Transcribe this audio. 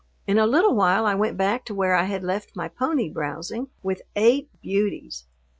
In a little while I went back to where I had left my pony browsing, with eight beauties.